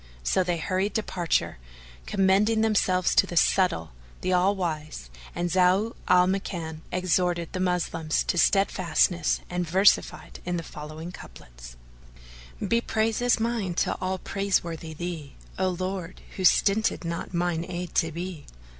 So they hurried departure, commending themselves to the Subtle, the All wise, and Zau al Makan exhorted the Moslems to steadfast ness and versified in the following couplets,[FN#440] "Be praises mine to all praiseworthy Thee, * O Lord, who stinted not mine aid to be!